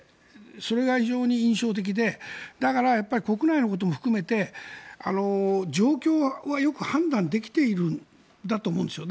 それが非常に印象的でだから、国内のことも含めて状況はよく判断できているんだと思うんですよ。